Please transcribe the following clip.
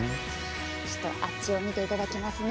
あちらを見ていただきますね。